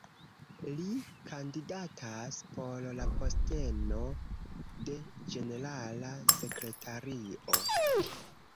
Li kandidatas por la posteno de ĝenerala sekretario.